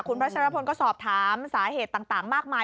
คุณพัชรพลก็สอบถามสาเหตุต่างมากมาย